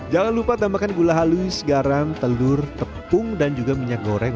jangan lupa tambahkan gula halus garam telur tepung dan juga minyak goreng